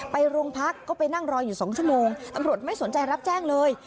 ไปโรงพักก็ไปนั่งรออยู่๒ชั่วโมงตำรวจไม่สนใจรับแจ้งเลย